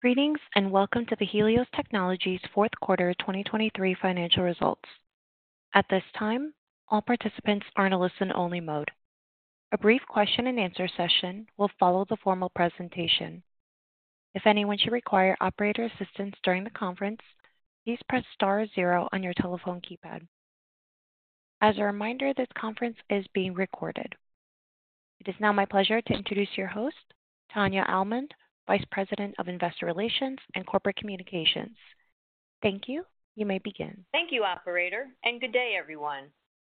Greetings and welcome to the Helios Technologies Q4 2023 Financial Results. At this time, all participants are in a listen-only mode. A brief question-and-answer session will follow the formal presentation. If anyone should require operator assistance during the conference, please press star or zero on your telephone keypad. As a reminder, this conference is being recorded. It is now my pleasure to introduce your host, Tania Almond, Vice President of Investor Relations and Corporate Communications. Thank you, you may begin. Thank you, operator, and good day, everyone.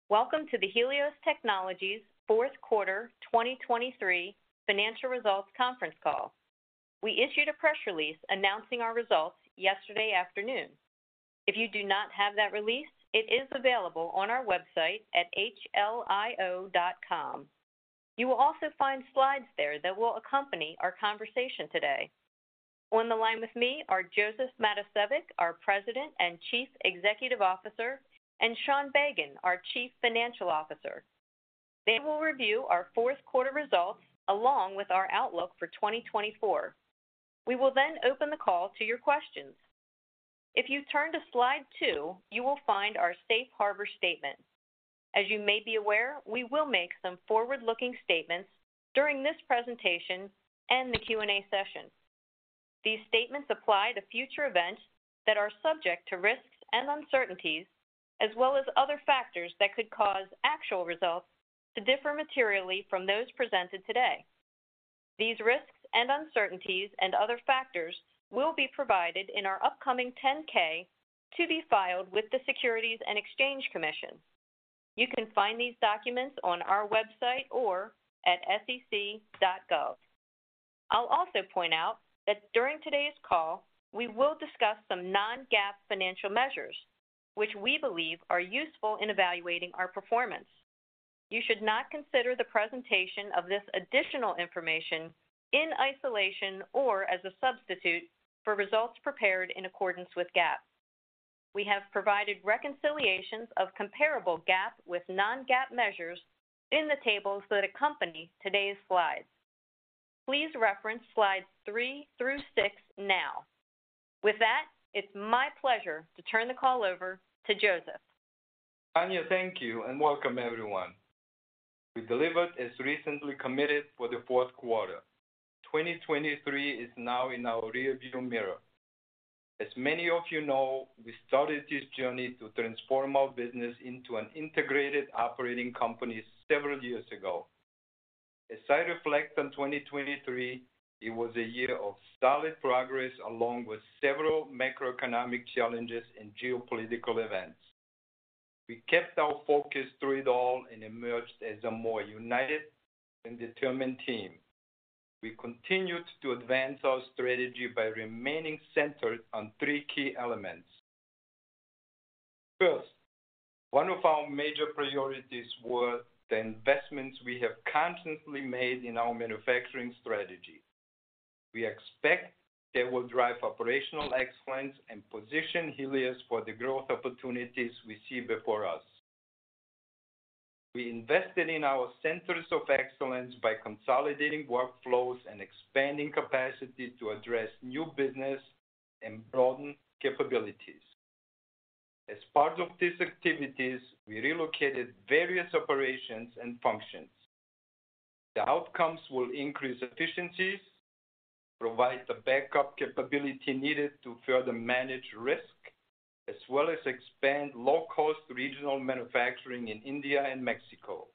Welcome to the Helios Technologies Q4 2023 financial results conference call. We issued a press release announcing our results yesterday afternoon. If you do not have that release, it is available on our website at hlio.com. You will also find slides there that will accompany our conversation today. On the line with me are Josef Matosevic, our President and Chief Executive Officer, and Sean Bagan, our Chief Financial Officer. They will review our Q4 results along with our outlook for 2024. We will then open the call to your questions. If you turn to slide 2, you will find our Safe Harbor Statement. As you may be aware, we will make some forward-looking statements during this presentation and the Q&A session. These statements apply to future events that are subject to risks and uncertainties, as well as other factors that could cause actual results to differ materially from those presented today. These risks and uncertainties and other factors will be provided in our upcoming 10-K to be filed with the Securities and Exchange Commission. You can find these documents on our website or at sec.gov. I'll also point out that during today's call, we will discuss some non-GAAP financial measures, which we believe are useful in evaluating our performance. You should not consider the presentation of this additional information in isolation or as a substitute for results prepared in accordance with GAAP. We have provided reconciliations of comparable GAAP with non-GAAP measures in the tables that accompany today's slides. Please reference slides 3 through 6 now. With that, it's my pleasure to turn the call over to Josef. Tania, thank you, and welcome, everyone. We delivered as recently committed for the Q4. 2023 is now in our rearview mirror. As many of you know, we started this journey to transform our business into an integrated operating company several years ago. As I reflect on 2023, it was a year of solid progress along with several macroeconomic challenges and geopolitical events. We kept our focus through it all and emerged as a more united and determined team. We continued to advance our strategy by remaining centered on three key elements. First, one of our major priorities were the investments we have consciously made in our manufacturing strategy. We expect they will drive operational excellence and position Helios for the growth opportunities we see before us. We invested in our Centers of Excellence by consolidating workflows and expanding capacity to address new business and broaden capabilities. As part of these activities, we relocated various operations and functions. The outcomes will increase efficiencies, provide the backup capability needed to further manage risk, as well as expand low-cost regional manufacturing in India and Mexico.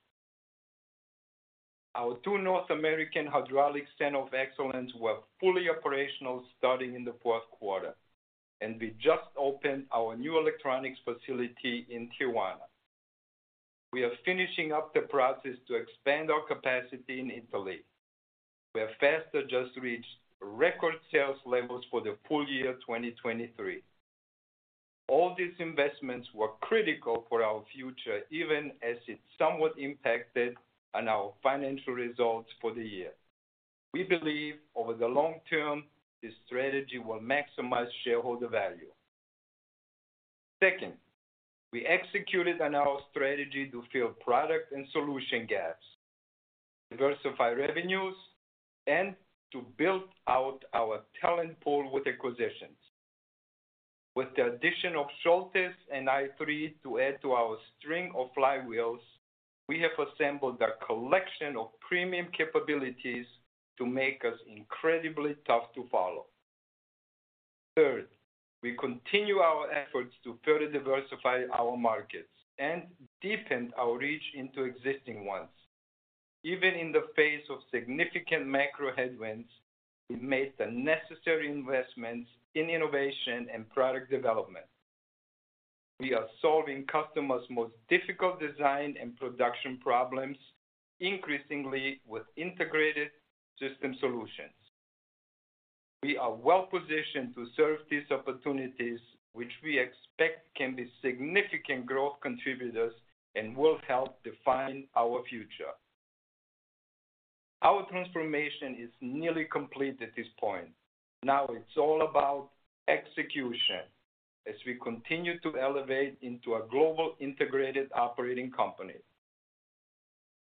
Our two North American hydraulics Centers of Excellence were fully operational starting in the Q4, and we just opened our new electronics facility in Tijuana. We are finishing up the process to expand our capacity in Italy. We have, as adjusted, reached record sales levels for the full year 2023. All these investments were critical for our future, even as it somewhat impacted on our financial results for the year. We believe over the long term, this strategy will maximize shareholder value. Second, we executed on our strategy to fill product and solution gaps, diversify revenues, and to build out our talent pool with acquisitions. With the addition of Schultes and i3 to add to our string of flywheels, we have assembled a collection of premium capabilities to make us incredibly tough to follow. Third, we continue our efforts to further diversify our markets and deepen our reach into existing ones. Even in the face of significant macro headwinds, we made the necessary investments in innovation and product development. We are solving customers' most difficult design and production problems increasingly with integrated system solutions. We are well positioned to serve these opportunities, which we expect can be significant growth contributors and will help define our future. Our transformation is nearly complete at this point. Now it's all about execution as we continue to elevate into a global integrated operating company.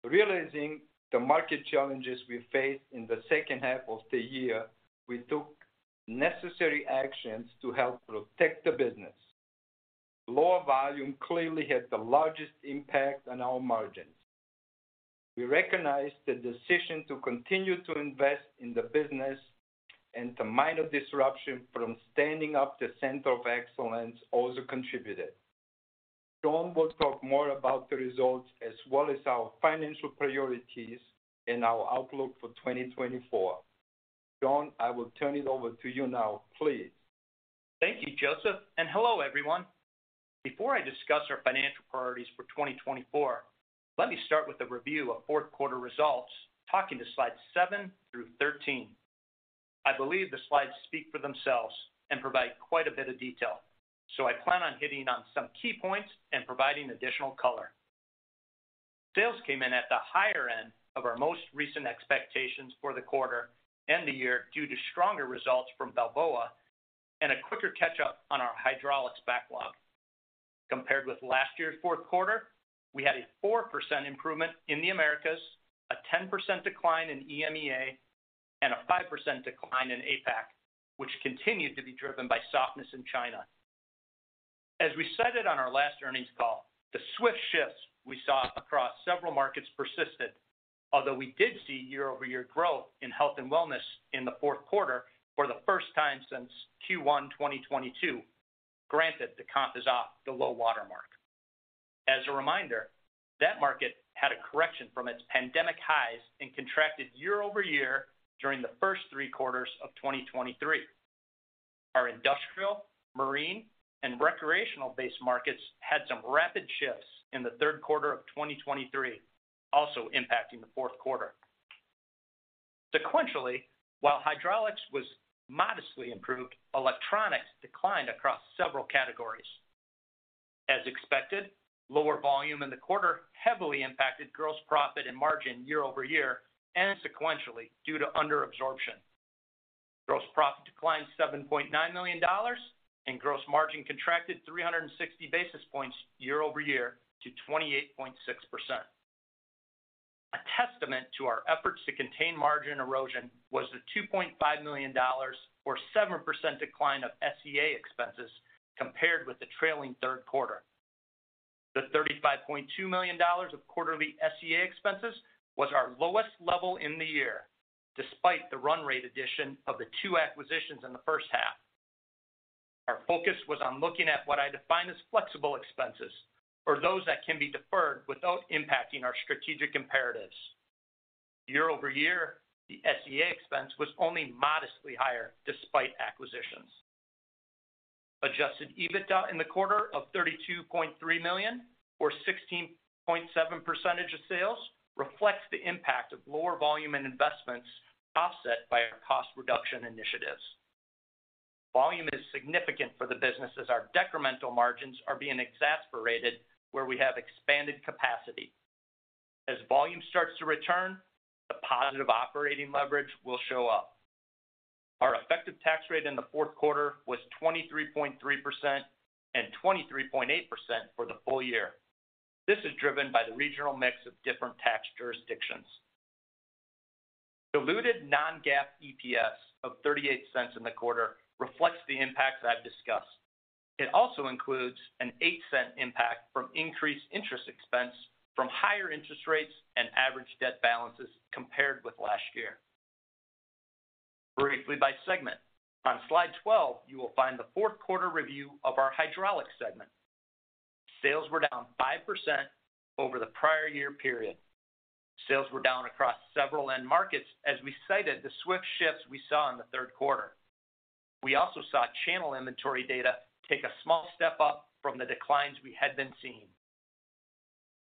Realizing the market challenges we faced in the second half of the year, we took necessary actions to help protect the business. Lower volume clearly had the largest impact on our margins. We recognize the decision to continue to invest in the business and the minor disruption from standing up the Center of Excellence also contributed. Sean will talk more about the results as well as our financial priorities and our outlook for 2024. Sean, I will turn it over to you now, please. Thank you, Josef, and hello, everyone. Before I discuss our financial priorities for 2024, let me start with a review of Q4 results, talking to slides 7 through 13. I believe the slides speak for themselves and provide quite a bit of detail, so I plan on hitting on some key points and providing additional color. Sales came in at the higher end of our most recent expectations for the quarter and the year due to stronger results from Balboa and a quicker catch-up on our hydraulics backlog. Compared with last year's Q4, we had a 4% improvement in the Americas, a 10% decline in EMEA, and a 5% decline in APAC, which continued to be driven by softness in China. As we cited on our last earnings call, the swift shifts we saw across several markets persisted, although we did see year-over-year growth in Health & Wellness in the Q4 for the first time since Q1 2022, granted the comp is off the low watermark. As a reminder, that market had a correction from its pandemic highs and contracted year-over-year during the first three quarters of 2023. Our industrial, marine, and recreational-based markets had some rapid shifts in the Q3 of 2023, also impacting the Q4. Sequentially, while hydraulics was modestly improved, electronics declined across several categories. As expected, lower volume in the quarter heavily impacted gross profit and margin year-over-year and sequentially due to underabsorption. Gross profit declined $7.9 million and gross margin contracted 360 basis points year-over-year to 28.6%. A testament to our efforts to contain margin erosion was the $2.5 million or 7% decline of SEA expenses compared with the trailing Q3. The $35.2 million of quarterly SEA expenses was our lowest level in the year, despite the run-rate addition of the two acquisitions in the first half. Our focus was on looking at what I define as flexible expenses, or those that can be deferred without impacting our strategic imperatives. Year-over-year, the SEA expense was only modestly higher despite acquisitions. Adjusted EBITDA in the quarter of $32.3 million, or 16.7% of sales, reflects the impact of lower volume and investments offset by our cost reduction initiatives. Volume is significant for the business as our decremental margins are being exacerbated where we have expanded capacity. As volume starts to return, the positive operating leverage will show up. Our effective tax rate in the Q4 was 23.3% and 23.8% for the full year. This is driven by the regional mix of different tax jurisdictions. Diluted Non-GAAP EPS of $0.38 in the quarter reflects the impacts I've discussed. It also includes an $0.08 impact from increased interest expense from higher interest rates and average debt balances compared with last year. Briefly by segment, on slide 12 you will find the Q4 review of our hydraulics segment. Sales were down 5% over the prior year period. Sales were down across several end markets as we cited the swift shifts we saw in the Q3. We also saw channel inventory data take a small step up from the declines we had been seeing.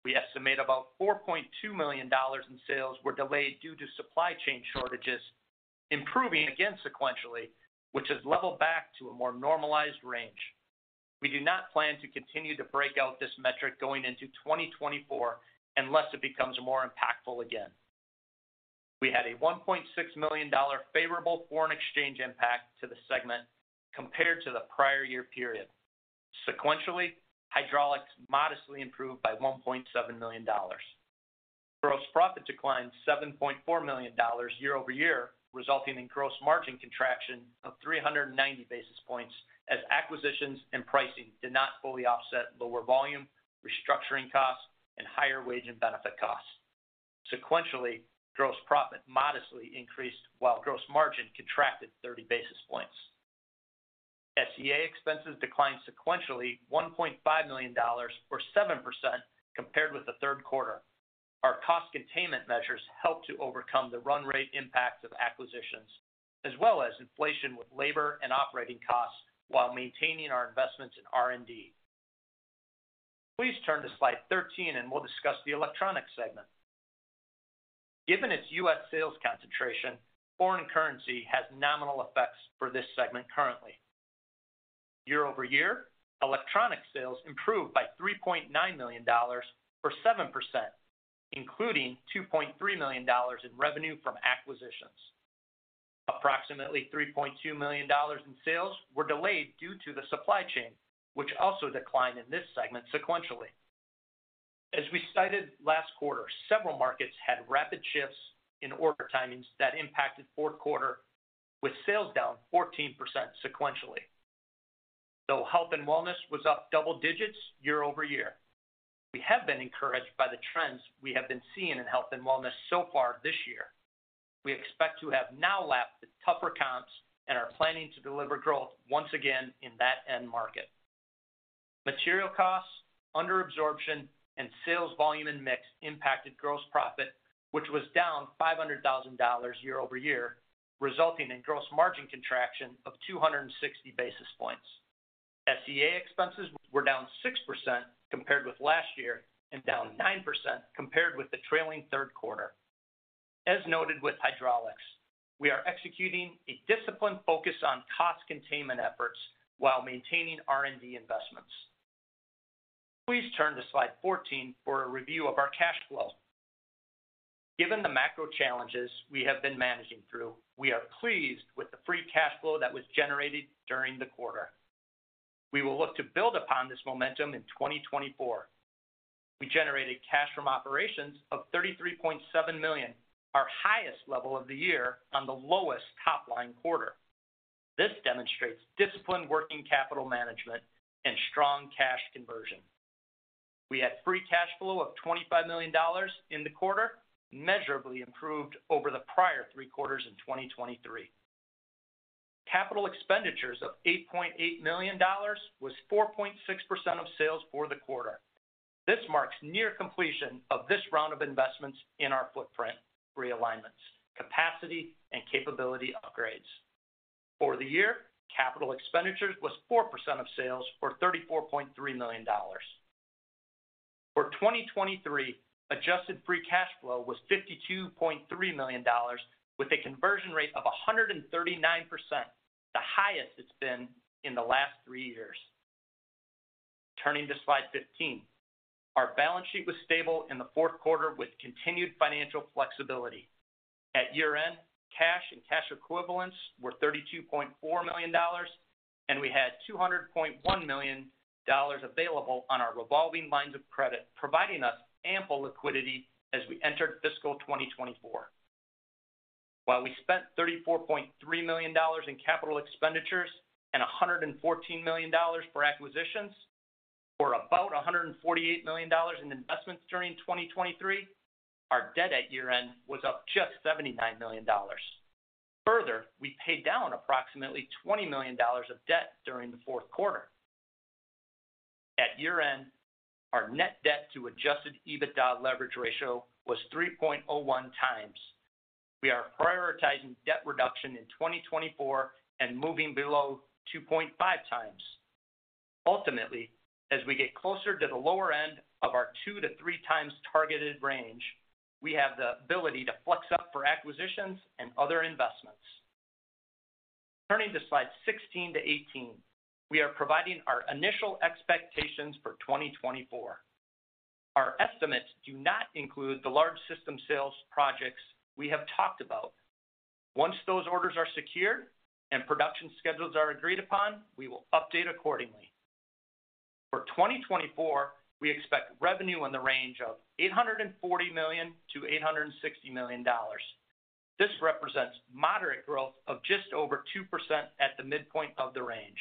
We estimate about $4.2 million in sales were delayed due to supply chain shortages, improving again sequentially, which has leveled back to a more normalized range. We do not plan to continue to break out this metric going into 2024 unless it becomes more impactful again. We had a $1.6 million favorable foreign exchange impact to the segment compared to the prior year period. Sequentially, hydraulics modestly improved by $1.7 million. Gross profit declined $7.4 million year-over-year, resulting in gross margin contraction of 390 basis points as acquisitions and pricing did not fully offset lower volume, restructuring costs, and higher wage and benefit costs. Sequentially, gross profit modestly increased while gross margin contracted 30 basis points. SEA expenses declined sequentially $1.5 million or 7% compared with the Q3. Our cost containment measures helped to overcome the run-rate impacts of acquisitions, as well as inflation with labor and operating costs while maintaining our investments in R&D. Please turn to slide 13 and we'll discuss the electronics segment. Given its U.S. sales concentration, foreign currency has nominal effects for this segment currently. Year-over-year, electronics sales improved by $3.9 million or 7%, including $2.3 million in revenue from acquisitions. Approximately $3.2 million in sales were delayed due to the supply chain, which also declined in this segment sequentially. As we cited last quarter, several markets had rapid shifts in order timings that impacted Q4, with sales down 14% sequentially. Though Health & Wellness was up double digits year-over-year, we have been encouraged by the trends we have been seeing in Health & Wellness so far this year. We expect to have now lapped the tougher comps and are planning to deliver growth once again in that end market. Material costs, underabsorption, and sales volume and mix impacted gross profit, which was down $500,000 year-over-year, resulting in gross margin contraction of 260 basis points. SEA expenses were down 6% compared with last year and down 9% compared with the trailing Q3. As noted with hydraulics, we are executing a disciplined focus on cost containment efforts while maintaining R&D investments. Please turn to slide 14 for a review of our cash flow. Given the macro challenges we have been managing through, we are pleased with the free cash flow that was generated during the quarter. We will look to build upon this momentum in 2024. We generated cash from operations of $33.7 million, our highest level of the year on the lowest top-line quarter. This demonstrates disciplined working capital management and strong cash conversion. We had free cash flow of $25 million in the quarter, measurably improved over the prior three quarters in 2023. Capital expenditures of $8.8 million was 4.6% of sales for the quarter. This marks near completion of this round of investments in our footprint realignments, capacity, and capability upgrades. For the year, capital expenditures was 4% of sales or $34.3 million. For 2023, adjusted free cash flow was $52.3 million with a conversion rate of 139%, the highest it's been in the last three years. Turning to slide 15, our balance sheet was stable in the Q4 with continued financial flexibility. At year-end, cash and cash equivalents were $32.4 million, and we had $200.1 million available on our revolving lines of credit, providing us ample liquidity as we entered fiscal 2024. While we spent $34.3 million in capital expenditures and $114 million for acquisitions, or about $148 million in investments during 2023, our debt at year-end was up just $79 million. Further, we paid down approximately $20 million of debt during the Q4. At year-end, our net debt to Adjusted EBITDA leverage ratio was 3.01 times. We are prioritizing debt reduction in 2024 and moving below 2.5 times. Ultimately, as we get closer to the lower end of our 2-3 times targeted range, we have the ability to flex up for acquisitions and other investments. Turning to slides 16-18, we are providing our initial expectations for 2024. Our estimates do not include the large system sales projects we have talked about. Once those orders are secured and production schedules are agreed upon, we will update accordingly. For 2024, we expect revenue in the range of $840 million-$860 million. This represents moderate growth of just over 2% at the midpoint of the range.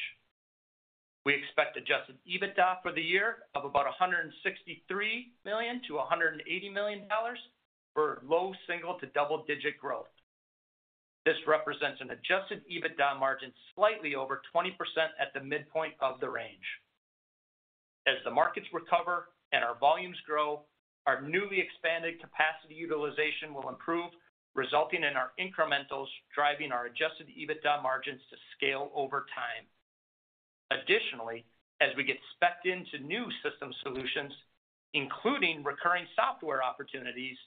We expect Adjusted EBITDA for the year of about $163 million-$180 million for low single- to double-digit growth. This represents an Adjusted EBITDA margin slightly over 20% at the midpoint of the range. As the markets recover and our volumes grow, our newly expanded capacity utilization will improve, resulting in our incrementals driving our Adjusted EBITDA margins to scale over time. Additionally, as we get spec'd into new system solutions, including recurring software opportunities,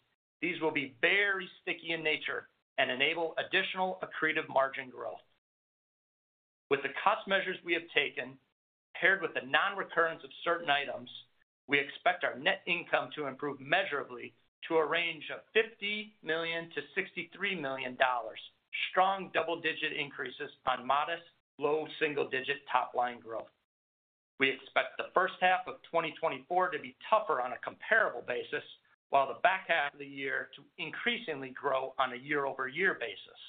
these will be very sticky in nature and enable additional accretive margin growth. With the cost measures we have taken, paired with the non-recurrence of certain items, we expect our net income to improve measurably to a range of $50 million-$63 million, strong double-digit increases on modest, low single-digit top-line growth. We expect the first half of 2024 to be tougher on a comparable basis, while the back half of the year to increasingly grow on a year-over-year basis.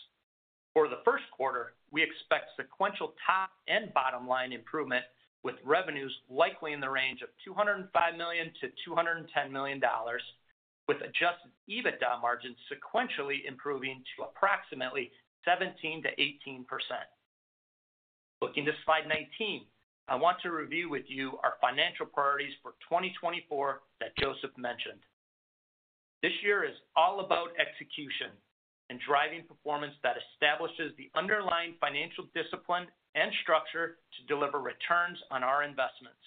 For the Q1, we expect sequential top and bottom line improvement with revenues likely in the range of $205 million-$210 million, with Adjusted EBITDA margins sequentially improving to approximately 17%-18%. Looking to slide 19, I want to review with you our financial priorities for 2024 that Josef mentioned. This year is all about execution and driving performance that establishes the underlying financial discipline and structure to deliver returns on our investments.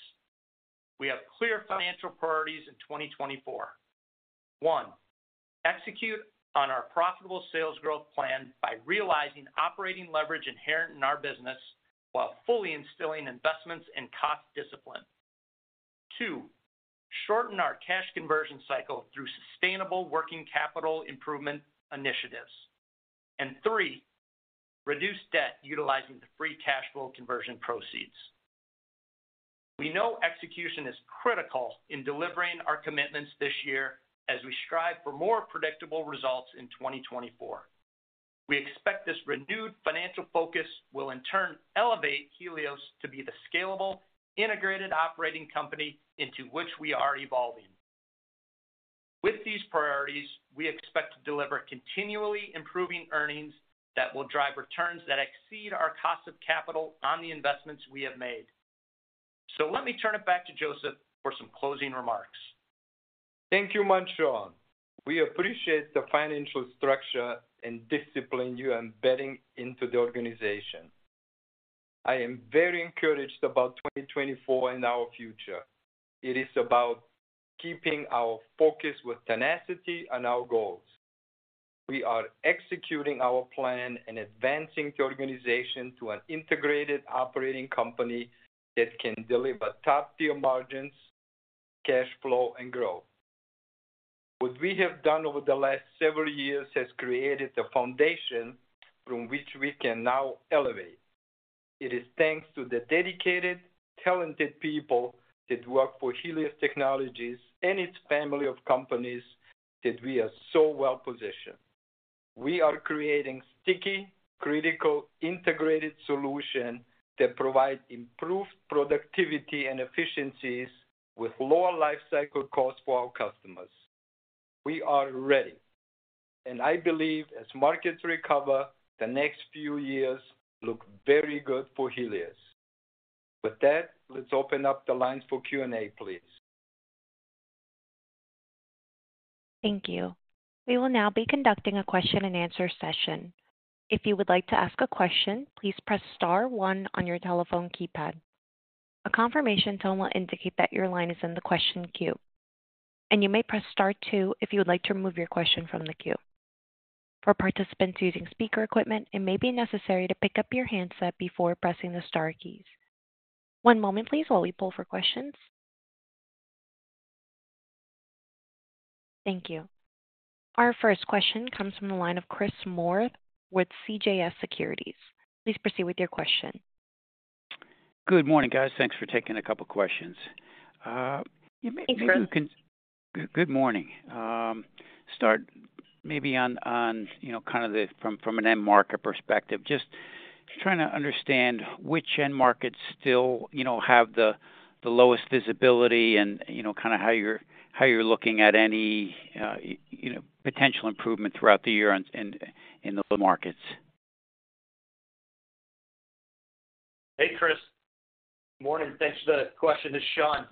We have clear financial priorities in 2024. One, execute on our profitable sales growth plan by realizing operating leverage inherent in our business while fully instilling investments in cost discipline. Two, shorten our cash conversion cycle through sustainable working capital improvement initiatives. And three, reduce debt utilizing the free cash flow conversion proceeds. We know execution is critical in delivering our commitments this year as we strive for more predictable results in 2024. We expect this renewed financial focus will in turn elevate Helios to be the scalable, integrated operating company into which we are evolving. With these priorities, we expect to deliver continually improving earnings that will drive returns that exceed our cost of capital on the investments we have made. Let me turn it back to Josef for some closing remarks. Thank you much, Sean. We appreciate the financial structure and discipline you are embedding into the organization. I am very encouraged about 2024 and our future. It is about keeping our focus with tenacity on our goals. We are executing our plan and advancing the organization to an integrated operating company that can deliver top-tier margins, cash flow, and growth. What we have done over the last several years has created the foundation from which we can now elevate. It is thanks to the dedicated, talented people that work for Helios Technologies and its family of companies that we are so well positioned. We are creating sticky, critical, integrated solutions that provide improved productivity and efficiencies with lower lifecycle costs for our customers. We are ready. I believe as markets recover, the next few years look very good for Helios. With that, let's open up the lines for Q&A, please. Thank you. We will now be conducting a question-and-answer session. If you would like to ask a question, please press *1 on your telephone keypad. A confirmation tone will indicate that your line is in the question queue. And you may press *2 if you would like to remove your question from the queue. For participants using speaker equipment, it may be necessary to pick up your handset before pressing the * keys. One moment, please, while we poll for questions. Thank you. Our first question comes from the line of Chris Moore with CJS Securities. Please proceed with your question. Good morning, guys. Thanks for taking a couple of questions. Start maybe on kind of the from an end market perspective, just trying to understand which end markets still have the lowest visibility and kind of how you're looking at any potential improvement throughout the year in the markets. Hey, Chris. Morning. Thanks for the question, to Sean.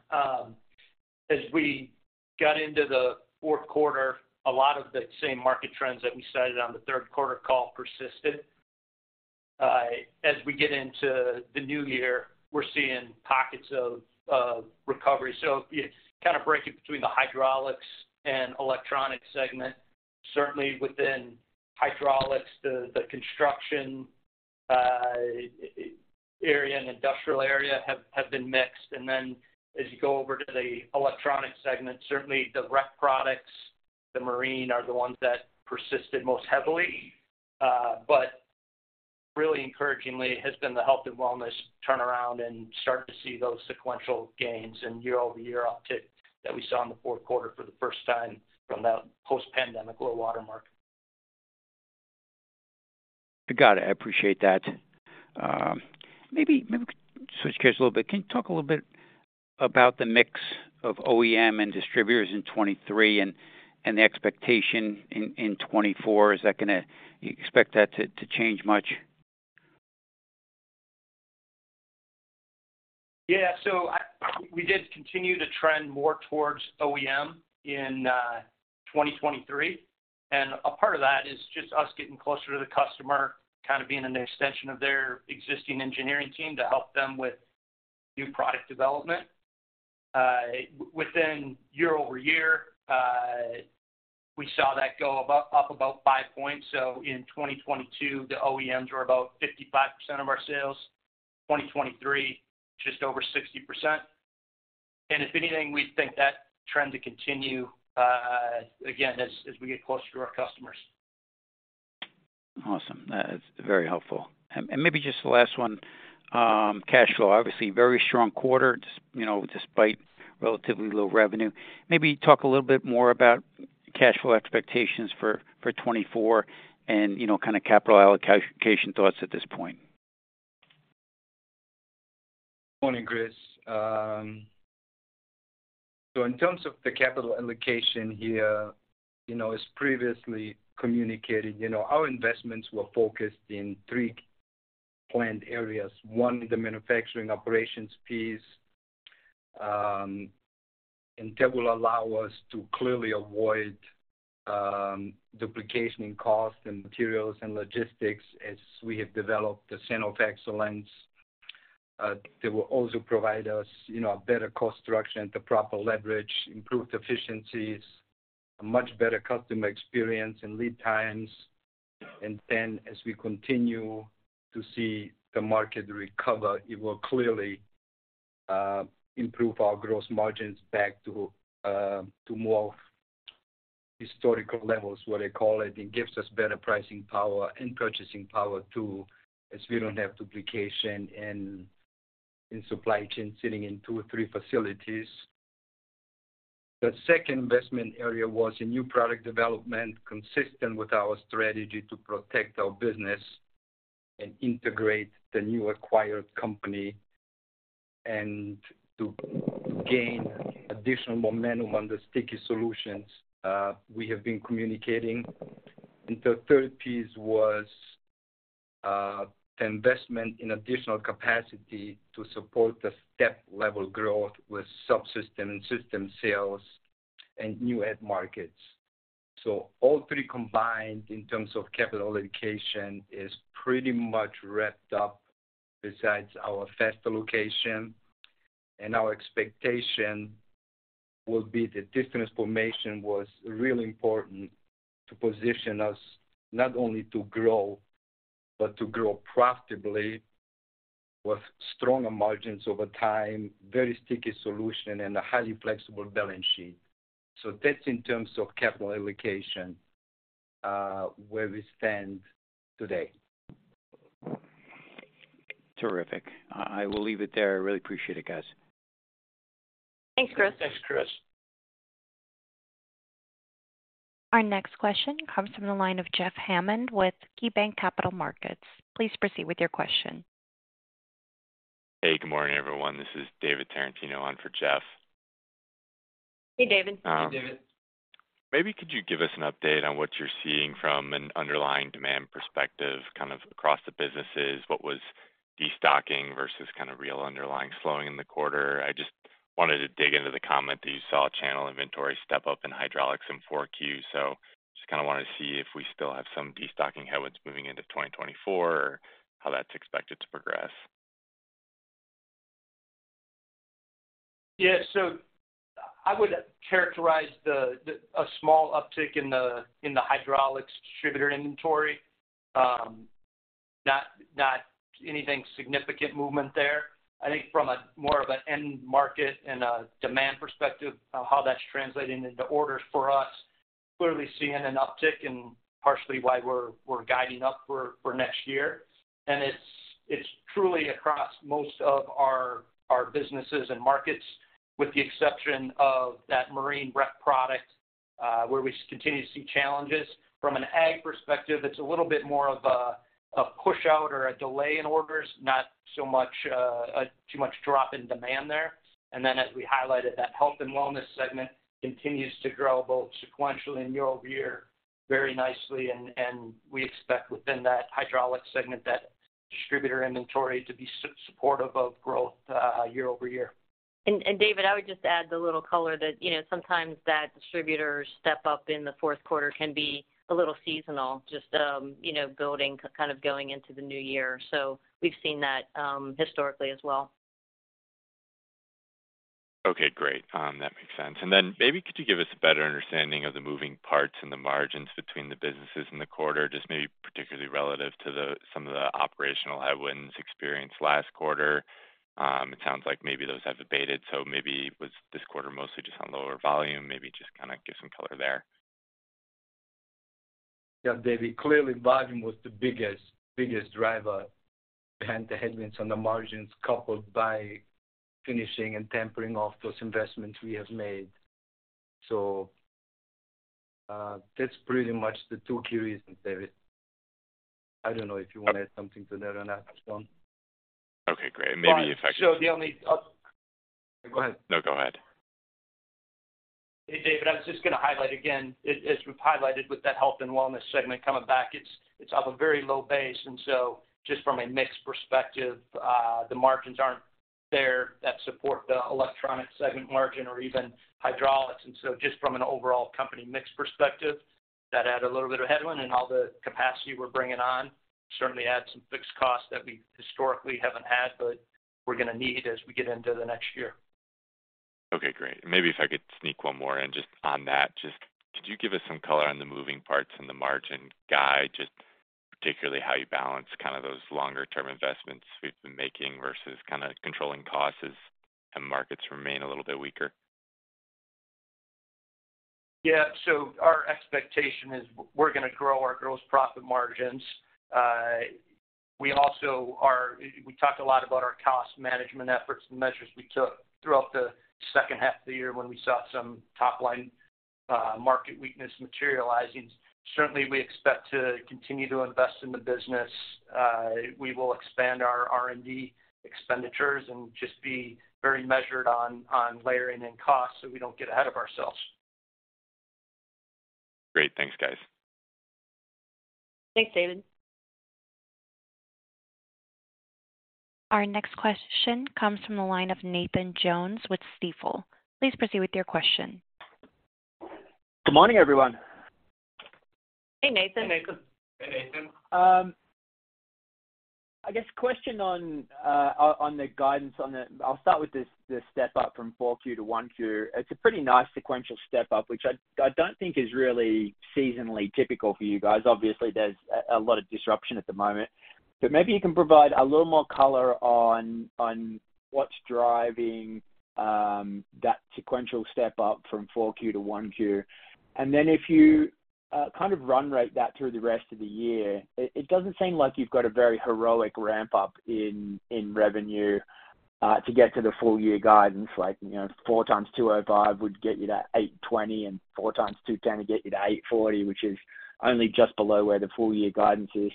As we got into the Q4, a lot of the same market trends that we cited on the Q3 call persisted. As we get into the new year, we're seeing pockets of recovery. So if you kind of break it between the hydraulics and electronics segment, certainly within hydraulics, the construction area and industrial area have been mixed. And then as you go over to the electronics segment, certainly the Rec products, the marine, are the ones that persisted most heavily. But really encouragingly has been the Health & Wellness turnaround and start to see those sequential gains and year-over-year uptick that we saw in the Q4 for the first time from that post-pandemic low watermark. Got it. I appreciate that. Maybe we could switch gears a little bit. Can you talk a little bit about the mix of OEM and distributors in 2023 and the expectation in 2024? Is that going to you expect that to change much? Yeah. We did continue to trend more towards OEM in 2023. A part of that is just us getting closer to the customer, kind of being an extension of their existing engineering team to help them with new product development. Year-over-year, we saw that go up about 5 points. In 2022, the OEMs were about 55% of our sales. 2023, just over 60%. If anything, we'd think that trend to continue, again, as we get closer to our customers. Awesome. That's very helpful. Maybe just the last one, cash flow. Obviously, very strong quarter despite relatively low revenue. Maybe talk a little bit more about cash flow expectations for 2024 and kind of capital allocation thoughts at this point. Morning, Chris. So in terms of the capital allocation here, as previously communicated, our investments were focused in 3 planned areas. 1, the manufacturing operations piece. That will allow us to clearly avoid duplication in cost and materials and logistics as we have developed the center of excellence that will also provide us a better cost structure and the proper leverage, improved efficiencies, a much better customer experience, and lead times. Then as we continue to see the market recover, it will clearly improve our gross margins back to more historical levels, what I call it, and gives us better pricing power and purchasing power too as we don't have duplication in supply chain sitting in 2 or 3 facilities. The second investment area was in new product development consistent with our strategy to protect our business and integrate the new acquired company and to gain additional momentum on the sticky solutions we have been communicating. The third piece was the investment in additional capacity to support the step-level growth with subsystem and system sales and new end markets. All three combined in terms of capital allocation is pretty much wrapped up besides our cap allocation. Our expectation will be these investments were really important to position us not only to grow, but to grow profitably with stronger margins over time, very sticky solution, and a highly flexible balance sheet. That's in terms of capital allocation where we stand today. Terrific. I will leave it there. I really appreciate it, guys. Thanks, Chris. Thanks, Chris. Our next question comes from the line of Jeff Hammond with KeyBanc Capital Markets. Please proceed with your question. Hey, good morning, everyone. This is David Tarantino. On for Jeff. Hey, David. Hey, David. Maybe could you give us an update on what you're seeing from an underlying demand perspective kind of across the businesses? What was destocking versus kind of real underlying slowing in the quarter? I just wanted to dig into the comment that you saw channel inventory step up in Hydraulics in 4Q. So just kind of wanted to see if we still have some destocking headwinds moving into 2024 or how that's expected to progress. Yeah. So I would characterize a small uptick in the hydraulics distributor inventory. Not anything significant movement there. I think from more of an end market and a demand perspective, how that's translating into orders for us, clearly seeing an uptick and partially why we're guiding up for next year. And it's truly across most of our businesses and markets, with the exception of that marine REC product where we continue to see challenges. From an ag perspective, it's a little bit more of a push-out or a delay in orders, not so much too much drop in demand there. And then as we highlighted, that Health & Wellness segment continues to grow both sequentially and year-over-year very nicely. And we expect within that hydraulics segment, that distributor inventory to be supportive of growth year-over-year. And David, I would just add the little color that sometimes that distributor step up in the Q4 can be a little seasonal, just building kind of going into the new year. So we've seen that historically as well. Okay, great. That makes sense. And then maybe could you give us a better understanding of the moving parts and the margins between the businesses in the quarter, just maybe particularly relative to some of the operational headwinds experienced last quarter? It sounds like maybe those have abated. So maybe was this quarter mostly just on lower volume? Maybe just kind of give some color there. Yeah, David, clearly volume was the biggest driver behind the headwinds on the margins, coupled with finishing and tapering off those investments we have made. So that's pretty much the two key reasons, David. I don't know if you want to add something to that or not, Sean. Okay, great. And maybe if I could. So the only go ahead. No, go ahead. Hey, David. I was just going to highlight again, as we've highlighted with that Health & Wellness segment coming back, it's off a very low base. And so just from a mixed perspective, the margins aren't there that support the electronics segment margin or even hydraulics. And so just from an overall company mixed perspective, that added a little bit of headwind. And all the capacity we're bringing on certainly adds some fixed costs that we historically haven't had, but we're going to need as we get into the next year. Okay, great. And maybe if I could sneak one more in just on that, just could you give us some color on the moving parts in the margin guide, just particularly how you balance kind of those longer-term investments we've been making versus kind of controlling costs as markets remain a little bit weaker? Yeah. So our expectation is we're going to grow our gross profit margins. We also talked a lot about our cost management efforts and measures we took throughout the second half of the year when we saw some top-line market weakness materializing. Certainly, we expect to continue to invest in the business. We will expand our R&D expenditures and just be very measured on layering in costs so we don't get ahead of ourselves. Great. Thanks, guys. Thanks, David. Our next question comes from the line of Nathan Jones with Stifel. Please proceed with your question. Good morning, everyone. Hey, Nathan. Hey, Nathan. Hey, Nathan. I guess question on the guidance. On the, I'll start with the step-up from 4Q to 1Q. It's a pretty nice sequential step-up, which I don't think is really seasonally typical for you guys. Obviously, there's a lot of disruption at the moment. But maybe you can provide a little more color on what's driving that sequential step-up from 4Q to 1Q. And then if you kind of run-rate that through the rest of the year, it doesn't seem like you've got a very heroic ramp-up in revenue to get to the full-year guidance. Like 4 times $205 would get you to $820, and 4 times $210 would get you to $840, which is only just below where the full-year guidance is.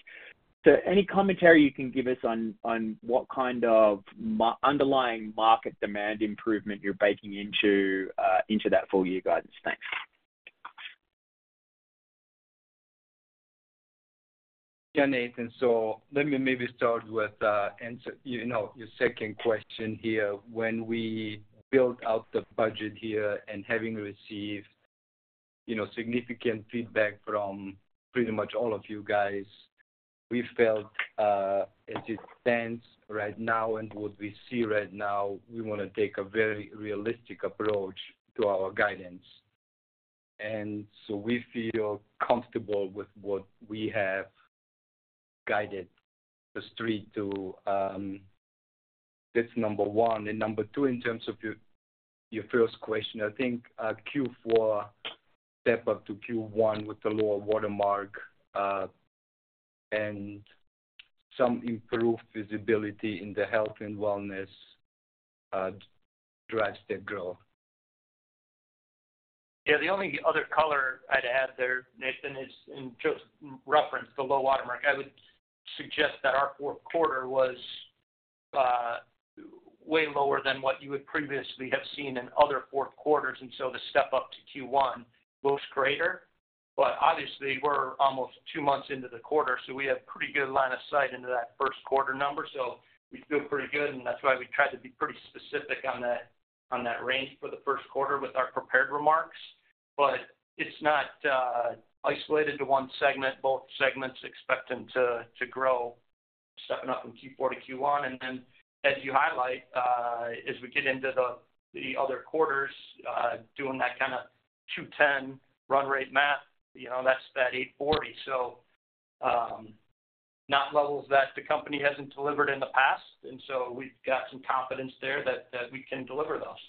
So any commentary you can give us on what kind of underlying market demand improvement you're baking into that full-year guidance? Thanks. Yeah, Nathan. So let me maybe start with your second question here. When we built out the budget here and having received significant feedback from pretty much all of you guys, we felt, as it stands right now and what we see right now, we want to take a very realistic approach to our guidance. And so we feel comfortable with what we have guided the street to. That's number one. And number two, in terms of your first question, I think Q4 step-up to Q1 with the lower watermark and some improved visibility in the Health & Wellness drives that growth. Yeah. The only other color I'd add there, Nathan, is in reference to low watermark. I would suggest that our Q4 was way lower than what you would previously have seen in other fourth quarters. So the step-up to Q1 looks greater. But obviously, we're almost two months into the quarter, so we have a pretty good line of sight into that Q1 number. So we feel pretty good. And that's why we tried to be pretty specific on that range for the Q1 with our prepared remarks. But it's not isolated to one segment. Both segments expecting to grow stepping up from Q4 to Q1. And then as you highlight, as we get into the other quarters, doing that kind of 210 run-rate math, that's that 840. So not levels that the company hasn't delivered in the past. And so we've got some confidence there that we can deliver those.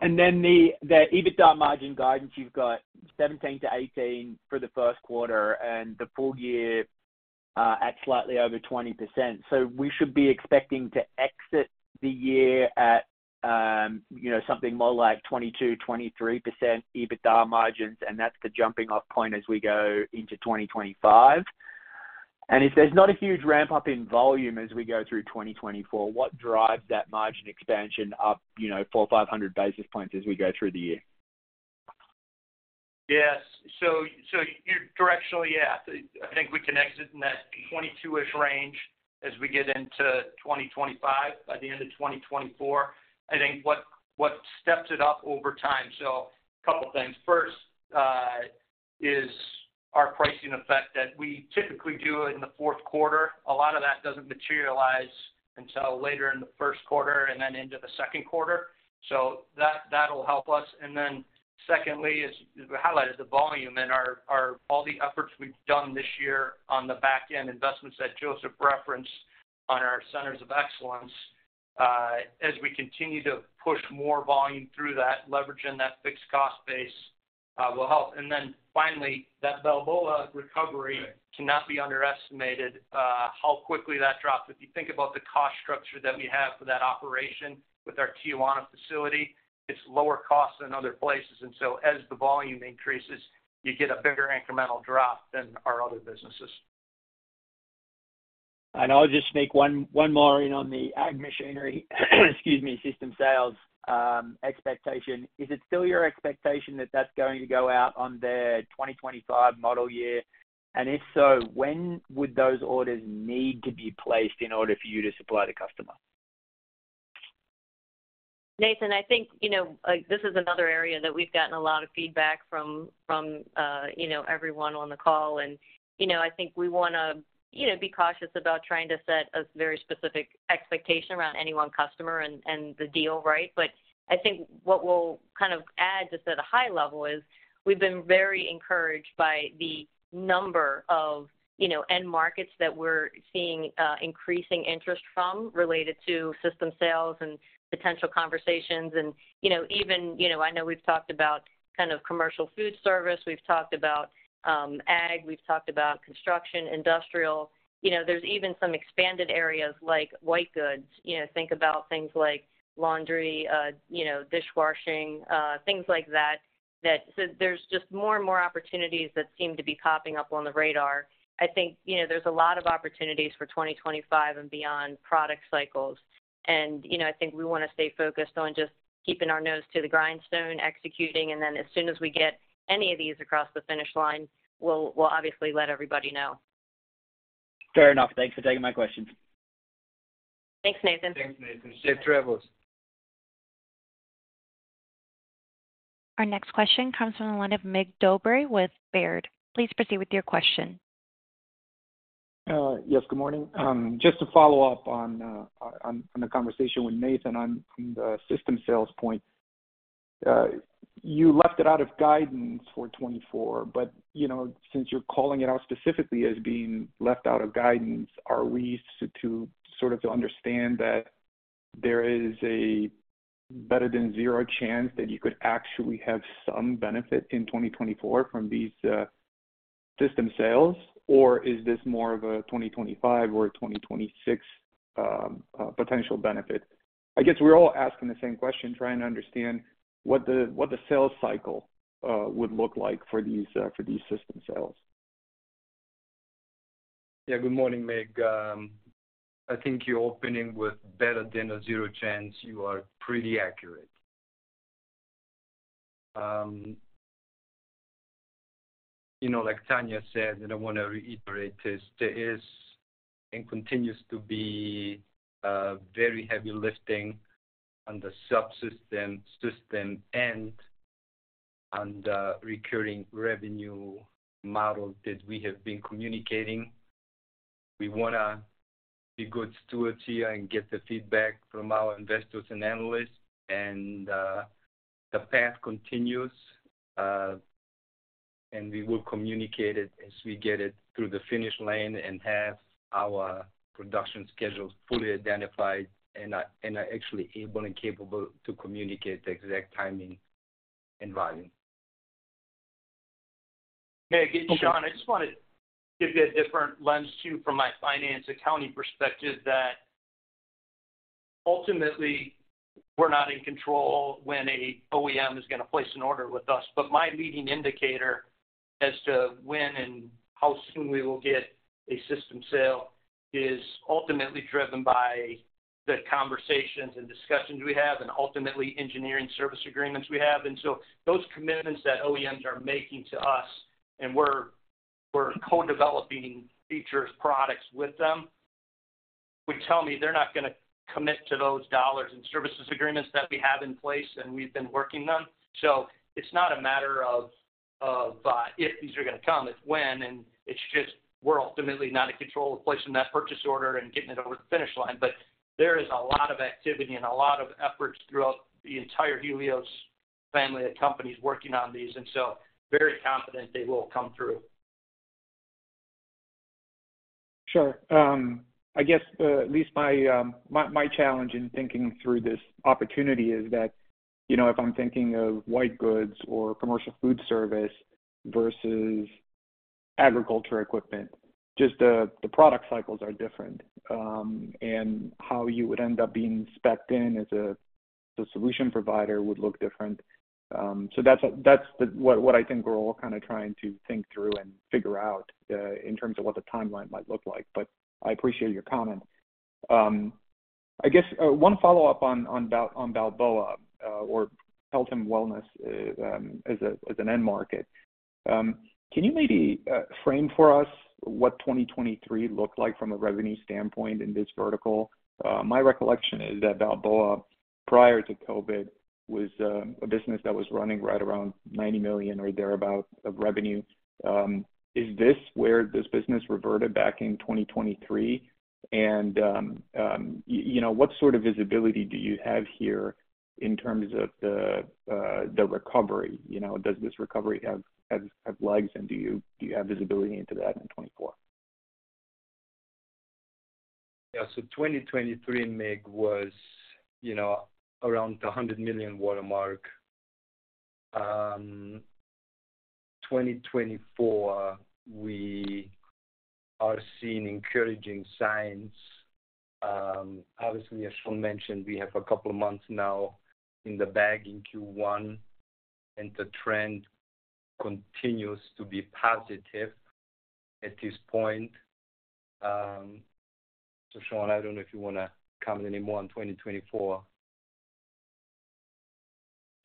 And then the EBITDA margin guidance, you've got 17%-18% for the Q1 and the full year at slightly over 20%. So we should be expecting to exit the year at something more like 22%, 23% EBITDA margins. And that's the jumping-off point as we go into 2025. And if there's not a huge ramp-up in volume as we go through 2024, what drives that margin expansion up 400, 500 basis points as we go through the year? Yes. So directionally, yeah, I think we can exit in that 22-ish range as we get into 2025, by the end of 2024. I think what steps it up over time? So a couple of things. First is our pricing effect that we typically do it in the Q4. A lot of that doesn't materialize until later in the Q1 and then into the Q2. So that'll help us. And then secondly, as we highlighted, the volume and all the efforts we've done this year on the back-end investments that Josef referenced on our Centers of Excellence, as we continue to push more volume through that, leveraging that fixed cost base, will help. And then finally, that Balboa recovery cannot be underestimated how quickly that drops. If you think about the cost structure that we have for that operation with our Tijuana facility, it's lower costs than other places. And so as the volume increases, you get a bigger incremental drop than our other businesses. And I'll just make one more on the ag machinery, excuse me, system sales expectation. Is it still your expectation that that's going to go out on their 2025 model year? And if so, when would those orders need to be placed in order for you to supply the customer? Nathan, I think this is another area that we've gotten a lot of feedback from everyone on the call. I think we want to be cautious about trying to set a very specific expectation around any one customer and the deal, right? But I think what we'll kind of add just at a high level is we've been very encouraged by the number of end markets that we're seeing increasing interest from related to system sales and potential conversations. Even I know we've talked about kind of commercial food service. We've talked about ag. We've talked about construction, industrial. There's even some expanded areas like white goods. Think about things like laundry, dishwashing, things like that. There's just more and more opportunities that seem to be popping up on the radar. I think there's a lot of opportunities for 2025 and beyond product cycles. I think we want to stay focused on just keeping our nose to the grindstone, executing. Then as soon as we get any of these across the finish line, we'll obviously let everybody know. Fair enough. Thanks for taking my questions. Thanks, Nathan. Thanks, Nathan. Safe travels. Our next question comes from the line of Mig Dobre with Baird. Please proceed with your question. Yes, good morning. Just to follow up on the conversation with Nathan from the system sales point, you left it out of guidance for 2024. But since you're calling it out specifically as being left out of guidance, are we to sort of understand that there is a better-than-zero chance that you could actually have some benefit in 2024 from these system sales, or is this more of a 2025 or 2026 potential benefit? I guess we're all asking the same question, trying to understand what the sales cycle would look like for these system sales. Yeah, good morning, Mig. I think you're opening with better-than-a-zero chance. You are pretty accurate. Like Tania said, and I want to reiterate this, there is and continues to be very heavy lifting on the subsystem end and the recurring revenue model that we have been communicating. We want to be good stewards here and get the feedback from our investors and analysts. And the path continues. And we will communicate it as we get it through the finish line and have our production schedules fully identified and actually able and capable to communicate the exact timing and volume. Sean, I just want to give you a different lens too from my finance accounting perspective that ultimately, we're not in control when an OEM is going to place an order with us. But my leading indicator as to when and how soon we will get a system sale is ultimately driven by the conversations and discussions we have and ultimately engineering service agreements we have. And so those commitments that OEMs are making to us, and we're co-developing features, products with them, would tell me they're not going to commit to those dollars and services agreements that we have in place, and we've been working them. So it's not a matter of if these are going to come. It's when. And it's just we're ultimately not in control of placing that purchase order and getting it over the finish line. There is a lot of activity and a lot of efforts throughout the entire Helios family of companies working on these. So very confident they will come through. Sure. I guess at least my challenge in thinking through this opportunity is that if I'm thinking of white goods or commercial food service versus agriculture equipment, just the product cycles are different. And how you would end up being specced in as a solution provider would look different. So that's what I think we're all kind of trying to think through and figure out in terms of what the timeline might look like. But I appreciate your comment. I guess one follow-up on Balboa or Pelton Wellness as an end market. Can you maybe frame for us what 2023 looked like from a revenue standpoint in this vertical? My recollection is that Balboa, prior to COVID, was a business that was running right around $90 million or thereabouts of revenue. Is this where this business reverted back in 2023? What sort of visibility do you have here in terms of the recovery? Does this recovery have legs? Do you have visibility into that in 2024? Yeah. So 2023, Mig, was around the $100 million watermark. 2024, we are seeing encouraging signs. Obviously, as Sean mentioned, we have a couple of months now in the bag in Q1, and the trend continues to be positive at this point. So Sean, I don't know if you want to comment anymore on 2024.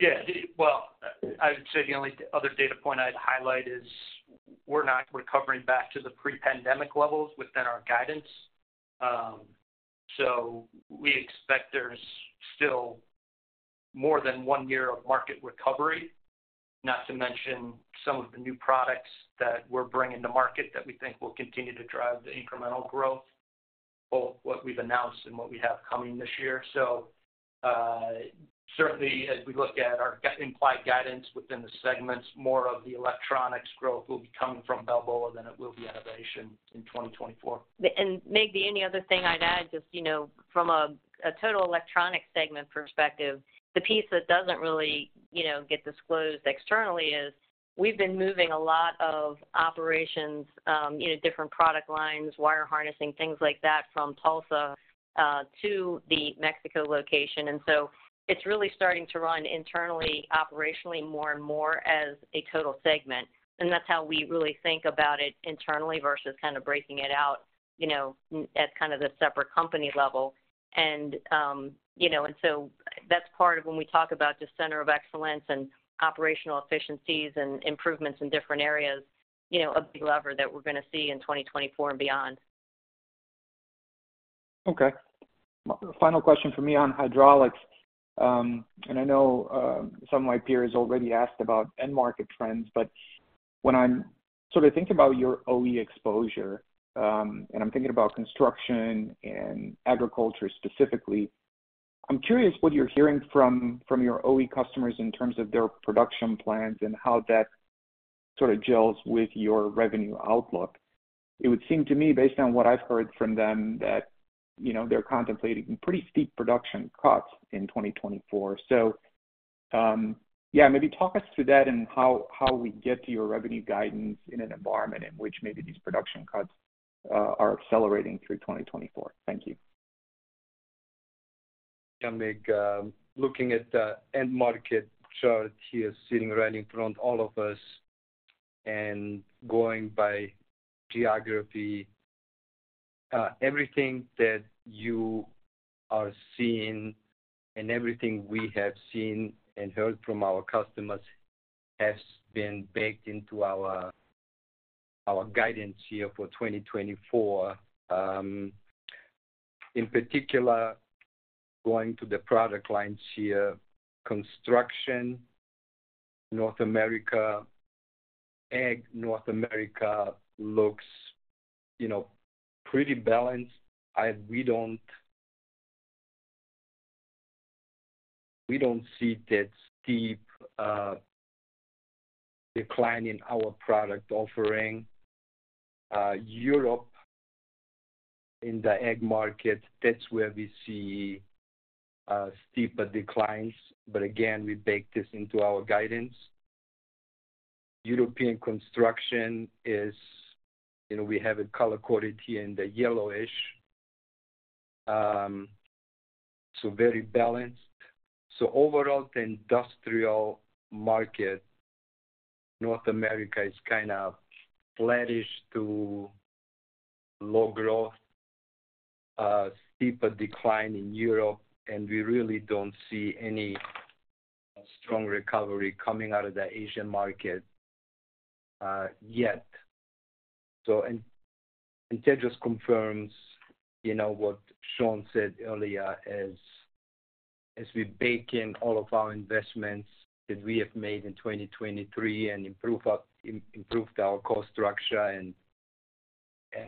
Yeah. Well, I would say the only other data point I'd highlight is we're not recovering back to the pre-pandemic levels within our guidance. So we expect there's still more than one year of market recovery, not to mention some of the new products that we're bringing to market that we think will continue to drive the incremental growth of what we've announced and what we have coming this year. So certainly, as we look at our implied guidance within the segments, more of the electronics growth will be coming from Balboa than it will be Enovation in 2024. And, Mig, the only other thing I'd add, just from a total electronics segment perspective, the piece that doesn't really get disclosed externally is we've been moving a lot of operations, different product lines, wire harnessing, things like that from Tulsa to the Mexico location. And so it's really starting to run internally, operationally, more and more as a total segment. And that's how we really think about it internally versus kind of breaking it out at kind of the separate company level. And so that's part of when we talk about just Centers of Excellence and operational efficiencies and improvements in different areas, a big lever that we're going to see in 2024 and beyond. Okay. Final question for me on hydraulics. I know some of my peers already asked about end market trends. When I'm sort of thinking about your OE exposure, and I'm thinking about construction and agriculture specifically, I'm curious what you're hearing from your OE customers in terms of their production plans and how that sort of gels with your revenue outlook? It would seem to me, based on what I've heard from them, that they're contemplating pretty steep production cuts in 2024. So yeah, maybe talk us through that and how we get to your revenue guidance in an environment in which maybe these production cuts are accelerating through 2024? Thank you. Yeah, Mig. Looking at the end market chart here sitting right in front of us and going by geography, everything that you are seeing and everything we have seen and heard from our customers has been baked into our guidance here for 2024. In particular, going to the product lines here, construction, North America, ag, North America looks pretty balanced. We don't see that steep decline in our product offering. Europe in the ag market, that's where we see steeper declines. But again, we bake this into our guidance. European construction, we have it color-coded here in the yellowish, so very balanced. So overall, the industrial market, North America is kind of flattish to low growth, steeper decline in Europe. And we really don't see any strong recovery coming out of the Asian market yet. That just confirms what Sean said earlier as we bake in all of our investments that we have made in 2023 and improved our cost structure and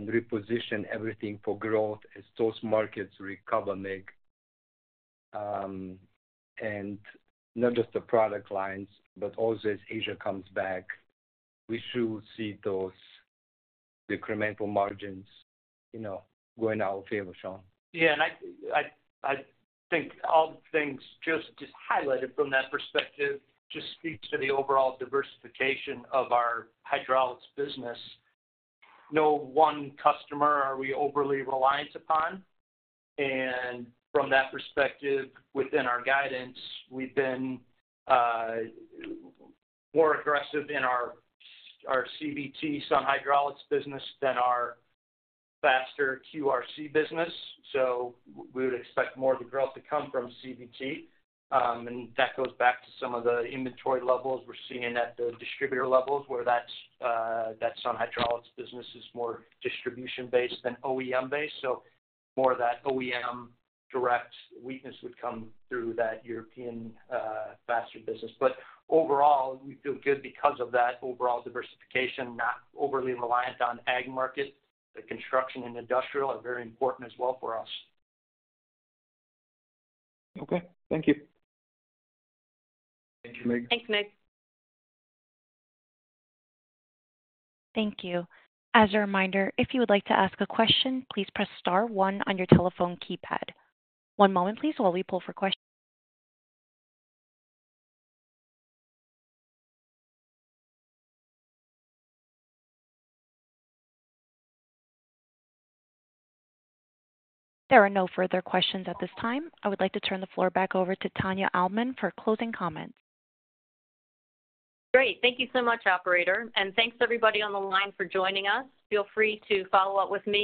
reposition everything for growth as those markets recover, Mig. Not just the product lines, but also as Asia comes back, we should see those decremental margins go in our favor, Sean. Yeah. And I think all the things just highlighted from that perspective just speaks to the overall diversification of our hydraulics business. No one customer are we overly reliant upon. And from that perspective, within our guidance, we've been more aggressive in our CVT Sun Hydraulics business than our Faster QRC business. So we would expect more of the growth to come from CVT. And that goes back to some of the inventory levels we're seeing at the distributor levels where that Sun Hydraulics business is more distribution-based than OEM-based. So more of that OEM direct weakness would come through that European Faster business. But overall, we feel good because of that overall diversification, not overly reliant on ag market. The construction and industrial are very important as well for us. Okay. Thank you. Thank you, Mig. Thanks, Mig. Thank you. As a reminder, if you would like to ask a question, please press star 1 on your telephone keypad. One moment, please, while we pull for questions. There are no further questions at this time. I would like to turn the floor back over to Tania Almond for closing comments. Great. Thank you so much, operator. Thanks, everybody on the line for joining us. Feel free to follow up with me.